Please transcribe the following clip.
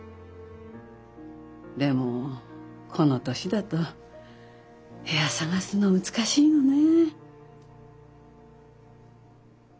でもこの年だと部屋探すの難しいのね。